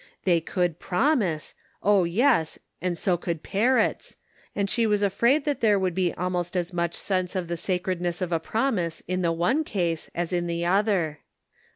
They could promise, oh yes and so could parrots, and she was afraid that there would be almost as much sense of the sacred ness of a promise in the one case as in the other.